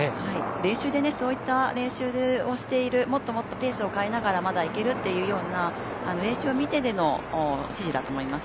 練習でそういった練習をしているもっともっとペースを変えながらまだいけるというような練習を見てでの指示だと思います。